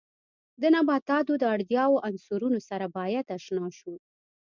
د نباتاتو د اړتیاوو عنصرونو سره باید آشنا شو.